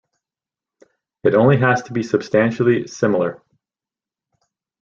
It only has to be substantially similar.